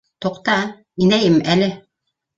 Туҡта, инәйем әле...